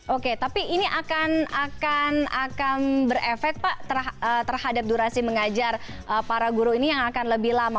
oke tapi ini akan berefek pak terhadap durasi mengajar para guru ini yang akan lebih lama